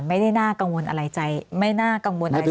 ไม่ได้น่ากังวลอะไรใจไม่น่ากังวลอะไร